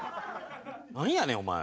なんやねんお前。